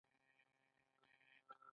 ایا زه دستکشې په لاس کولی شم؟